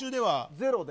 ゼロで。